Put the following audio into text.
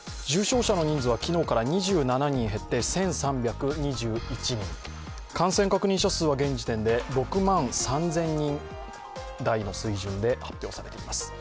重症者の人数は昨日から２７人減って１３２１人、感染確認者数は現時点で６万３０００人台の水準で発表されています。